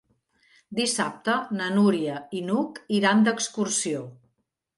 Dissabte na Núria i n'Hug iran d'excursió.